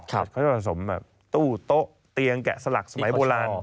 เขาจะผสมแบบตู้โต๊ะเตียงแกะสลักสมัยโบราณ